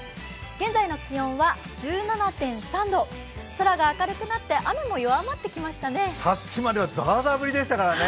現在の気温は１７．３度空が明るくなって雨も弱まってきましたね。